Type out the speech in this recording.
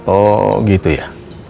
oh gitu ya